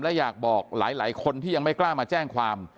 และอยากบอกหลายคนที่ยังไม่กล้ามาแจ้งความ